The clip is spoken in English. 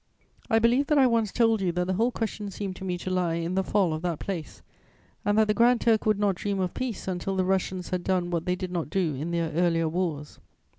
I believe that I once told you that the whole question seemed to me to lie in the fall of that place, and that the Grand Turk would not dream of peace until the Russians had done what they did not do in their earlier wars.